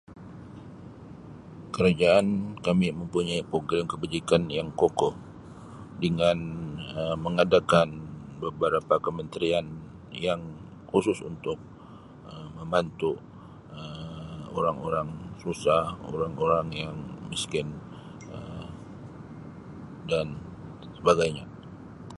Kerajaan kami mempunyai program kebajikan yang kukuh dengan mengadakan beberapa kementerian yang khusus untuk Um membantu Um orang-orang susah, orang-orang yang miskin Um dan sebagainya.